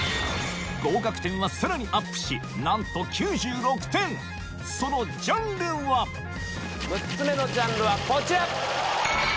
合格点はさらにアップしなんと９６点そのジャンルは６つ目のジャンルはこちら。